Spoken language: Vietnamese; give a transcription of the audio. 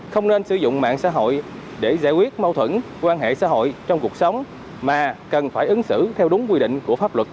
không nên sử dụng mạng xã hội để giải quyết mâu thuẫn quan hệ xã hội trong cuộc sống mà cần phải ứng xử theo đúng quy định của pháp luật